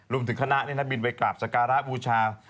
รุมถึงคณะนัดบินไว้กราบสการพูชา